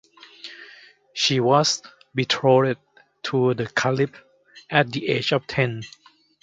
She was betrothed to the Caliph at the age of ten.